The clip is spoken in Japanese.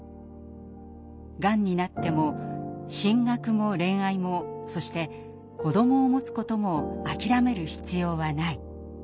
「がんになっても進学も恋愛もそして子どもをもつことも諦める必要はない」。